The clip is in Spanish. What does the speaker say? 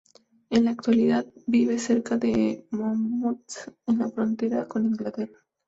En la actualidad vive cerca de Monmouth en la frontera con Inglaterra.